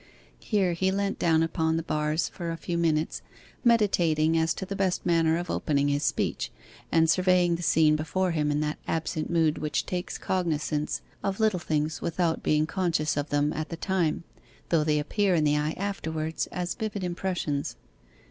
Here he leant down upon the bars for a few minutes, meditating as to the best manner of opening his speech, and surveying the scene before him in that absent mood which takes cognizance of little things without being conscious of them at the time, though they appear in the eye afterwards as vivid impressions.